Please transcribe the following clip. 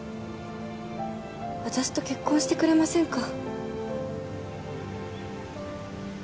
私と結婚してくれませんか？